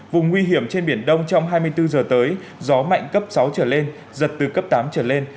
vùng nguy hiểm trên biển đông trong hai mươi bốn giờ tới gió mạnh cấp sáu trở lên giật từ cấp tám trở lên